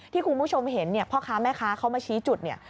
ที่คุณผู้ชมเห็นเนี่ยพ่อค้าแม่ค้าเขามาชี้จุดเนี่ย